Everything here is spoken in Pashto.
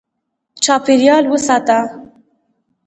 چاپېریال وساته.